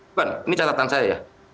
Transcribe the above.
bukan ini catatan saya ya